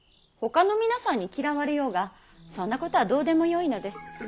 ほかの皆さんに嫌われようがそんなことはどうでもよいのです。